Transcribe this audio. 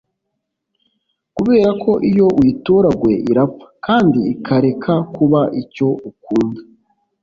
Kuberako iyo uyitoraguye, irapfa kandi ikareka kuba icyo ukunda.